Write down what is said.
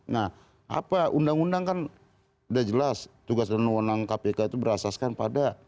nah apa undang undang kan sudah jelas tugas dan undang kpk itu berasaskan pada